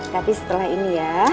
tapi setelah ini ya